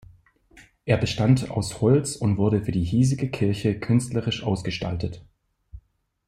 Er bestand aus Holz und wurde für die hiesige Kirche künstlerisch ausgestaltet.